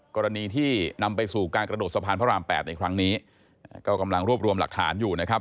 กรณีที่นำไปสู่การกระโดดสะพานพระราม๘ในครั้งนี้ก็กำลังรวบรวมหลักฐานอยู่นะครับ